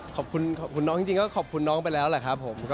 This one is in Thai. ขอบคุณขอบคุณน้องจริงก็ขอบคุณน้องไปแล้วแหละครับผม